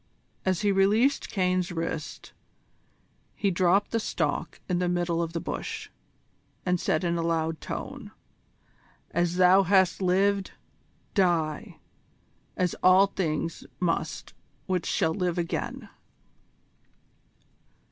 As he released Caine's wrist he dropped the stalk in the middle of the bush, and said in a loud tone: "As thou hast lived, die as all things must which shall live again."